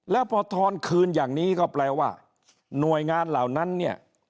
แล้วพอทอนคืนอย่างนี้ก็แปลว่าหน่วยงานเหล่านั้นเนี่ย